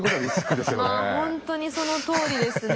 ほんとにそのとおりですね。